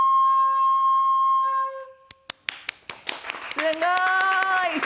すごーい！